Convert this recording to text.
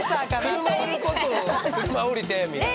車売ることを車降りてみたいな。